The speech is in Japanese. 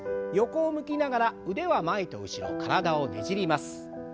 横を向きながら腕は前と後ろ体をねじります。